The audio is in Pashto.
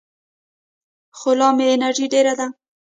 خو لا مې انرژي ډېره ده.